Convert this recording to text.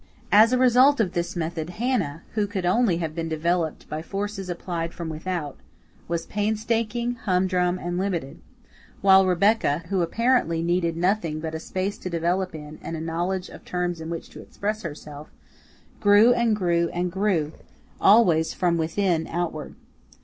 As a result of this method Hannah, who could only have been developed by forces applied from without, was painstaking, humdrum, and limited; while Rebecca, who apparently needed nothing but space to develop in, and a knowledge of terms in which to express herself, grew and grew and grew, always from within outward.